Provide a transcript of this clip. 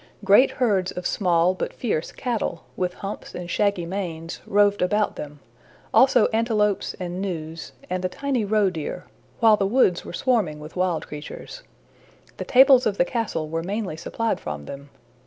Great herds of small but fierce cattle, with humps and shaggy manes, roved about them, also antelopes and gnus, and the tiny roedeer, while the woods were swarming with wild creatures. The tables of the castle were mainly supplied from them.